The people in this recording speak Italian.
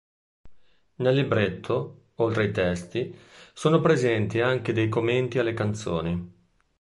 Nel libretto, oltre ai testi, sono presenti anche dei commenti alle canzoni.